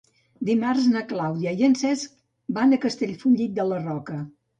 Dimarts na Clàudia i en Cesc van a Castellfollit de la Roca.